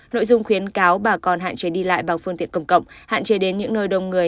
nội dung khuyến cáo bà con hạn chế đi lại bằng phương tiện công cộng hạn chế đến những nơi đông người